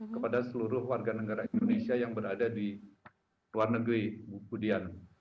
kepada seluruh warga negara indonesia yang berada di luar negeri budian